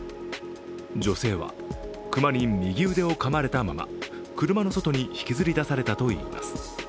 女性は熊に右腕をかまれたまま、車の外に引きずり出されたといいます。